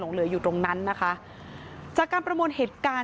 เบอร์ลูอยู่แบบนี้มั้งเยอะมาก